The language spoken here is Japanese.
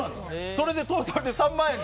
それでトータルで３万円。